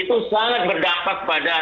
itu sangat berdapat pada